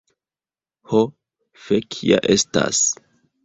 Ho, fek' ja estas